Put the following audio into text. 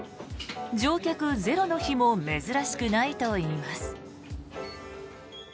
乗客ゼロの日も珍しくないといいます。